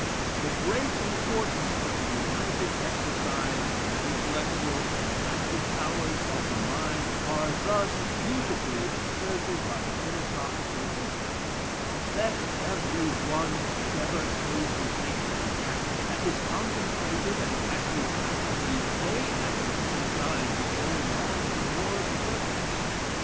The great importance of the united exercise of the intellectual and active powers of the mind, are thus beautifully asserted by the philosophical emperor: "Let every one endeavor so to think and act, that his contemplative and active faculties may at the same time be going on towards perfection.